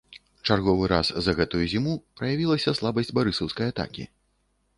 Чарговы раз за гэтую зіму праявілася слабасць барысаўскай атакі.